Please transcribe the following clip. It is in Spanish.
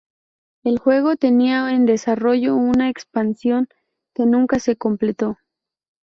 El juego tenía en desarrollo una expansión que nunca se completó.